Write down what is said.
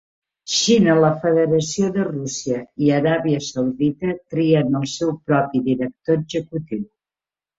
Xina, la Federació de Rússia i Aràbia Saudita trien el seu propi director executiu.